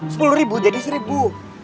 sepuluh ribu jadi seribu